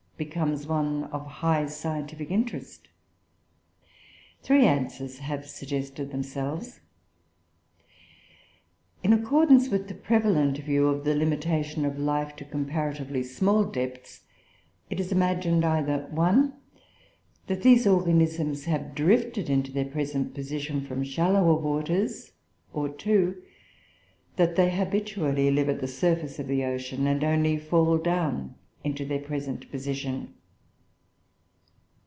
becomes one of high scientific interest. "Three answers have suggested themselves: "In accordance with the prevalent view of the limitation of life to comparatively small depths, it is imagined either: 1, that these organisms have drifted into their present position from shallower waters; or 2, that they habitually live at the surface of the ocean, and only fall down into their present position.